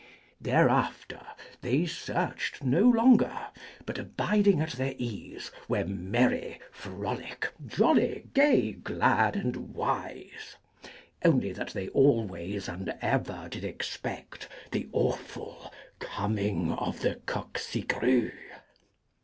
Thereafter they searched no longer; but, abiding at their ease, were merry, frolic, jolly, gay, glad, and wise; only that they always and ever did expect the awful Coming of the Coqcigrues.